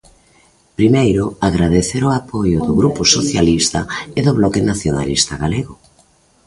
Primeiro, agradecer o apoio do Grupo Socialista e do Bloque Nacionalista Galego.